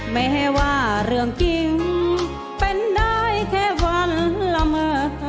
แม้ว่าเรื่องจริงเป็นได้แค่วันละเมอ